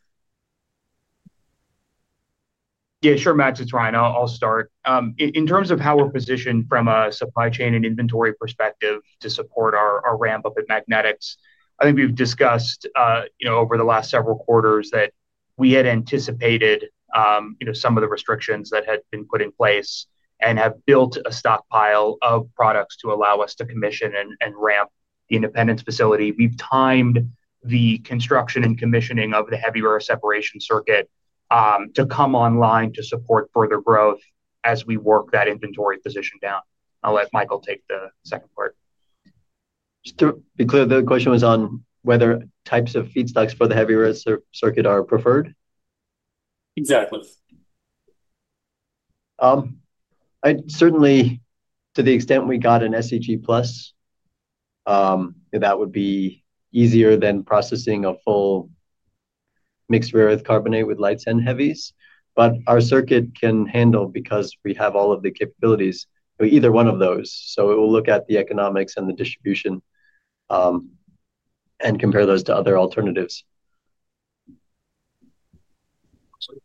Yeah. Sure, Max. It is Ryan. I will start. In terms of how we're positioned from a supply chain and inventory perspective to support our ramp-up at magnetics, I think we've discussed over the last several quarters that we had anticipated some of the restrictions that had been put in place and have built a stockpile of products to allow us to commission and ramp the Independence facility. We've timed the construction and commissioning of the heavy rare separation circuit to come online to support further growth as we work that inventory position down. I'll let Michael take the second part. Just to be clear, the question was on whether types of feedstocks for the heavy rare circuit are preferred? Exactly. Certainly, to the extent we got an SEG+, that would be easier than processing a full mixed rare earth carbonate with lights and heavies. Our circuit can handle, because we have all of the capabilities, either one of those. We will look at the economics and the distribution and compare those to other alternatives.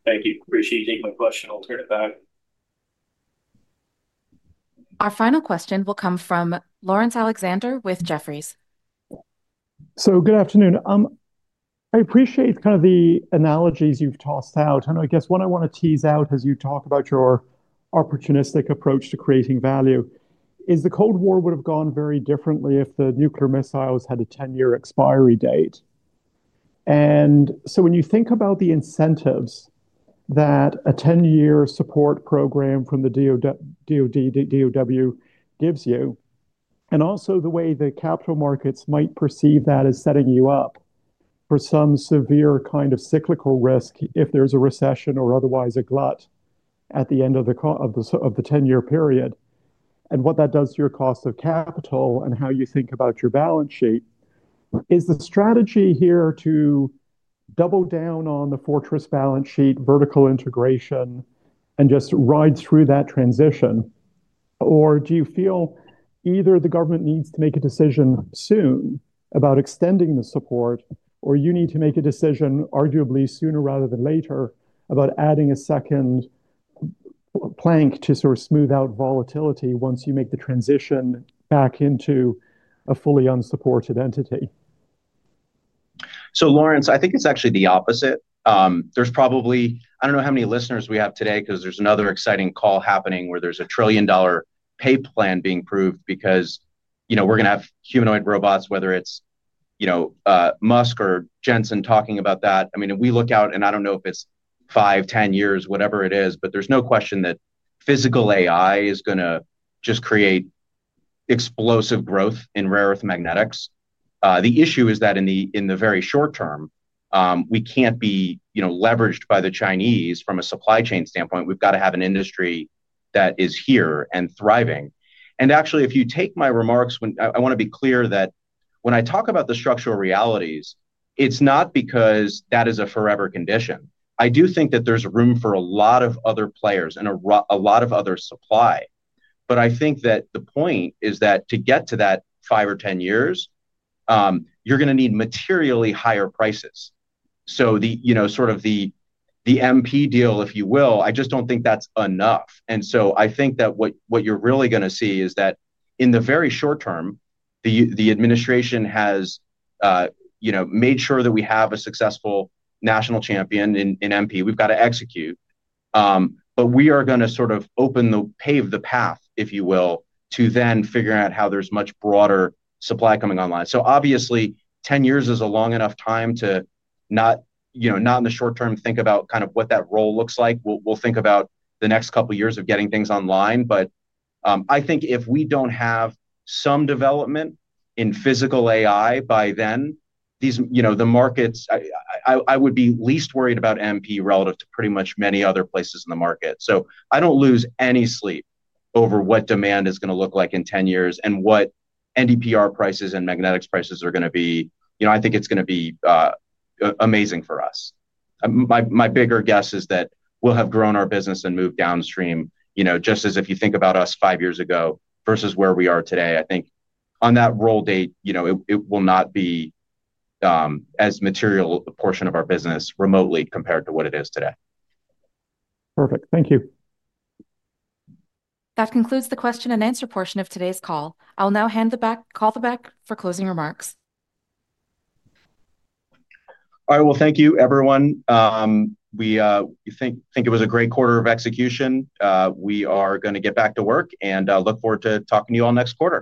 Thank you. Appreciate you taking my question. I will turn it back. Our final question will come from Laurence Alexander with Jefferies. Good afternoon. I appreciate kind of the analogies you have tossed out. I guess what I want to tease out as you talk about your opportunistic approach to creating value is the Cold War would have gone very differently if the nuclear missiles had a 10-year expiry date. When you think about the incentives that a 10-year support program from the DoW gives you, and also the way the capital markets might perceive that as setting you up. For some severe kind of cyclical risk if there's a recession or otherwise a glut at the end of the 10-year period. And what that does to your cost of capital and how you think about your balance sheet, is the strategy here to double down on the fortress balance sheet vertical integration and just ride through that transition? Or do you feel either the government needs to make a decision soon about extending the support, or you need to make a decision arguably sooner rather than later about adding a second plank to sort of smooth out volatility once you make the transition back into a fully unsupported entity? So, Laurence, I think it's actually the opposite. I don't know how many listeners we have today because there's another exciting call happening where there's a trillion-dollar pay plan being proved because we're going to have humanoid robots, whether it's. Musk or Jensen talking about that. I mean, we look out, and I do not know if it is 5, 10 years, whatever it is, but there is no question that physical AI is going to just create explosive growth in rare earth magnetics. The issue is that in the very short term, we cannot be leveraged by the Chinese from a supply chain standpoint. We have got to have an industry that is here and thriving. Actually, if you take my remarks, I want to be clear that when I talk about the structural realities, it is not because that is a forever condition. I do think that there is room for a lot of other players and a lot of other supply. I think that the point is that to get to that 5 or 10 years, you are going to need materially higher prices. Sort of the. MP deal, if you will, I just don't think that's enough. I think that what you're really going to see is that in the very short term, the administration has made sure that we have a successful national champion in MP. We've got to execute. We are going to sort of pave the path, if you will, to then figure out how there's much broader supply coming online. Obviously, 10 years is a long enough time to not, in the short term, think about kind of what that role looks like. We'll think about the next couple of years of getting things online. I think if we don't have some development in physical AI by then, the markets, I would be least worried about MP relative to pretty much many other places in the market. I do not lose any sleep over what demand is going to look like in 10 years and what NdPr prices and magnetics prices are going to be. I think it is going to be amazing for us. My bigger guess is that we will have grown our business and moved downstream, just as if you think about us five years ago versus where we are today. I think on that roll date, it will not be as material a portion of our business remotely compared to what it is today. Perfect. Thank you. That concludes the question and answer portion of today's call. I will now call the back for closing remarks. All right. Thank you, everyone. We think it was a great quarter of execution. We are going to get back to work, and I look forward to talking to you all next quarter.